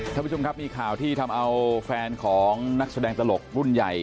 ท่านผู้ชมครับมีข่าวที่ทำเอาแฟนของนักแสดงตลกรุ่นใหญ่